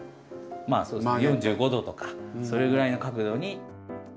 そうですね４５度とかそれぐらいの角度に。